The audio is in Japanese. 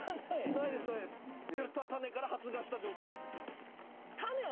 種から発芽した状態です。